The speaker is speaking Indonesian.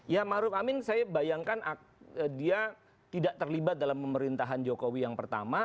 ya maruf amin saya bayangkan dia tidak terlibat dalam pemerintahan jokowi yang pertama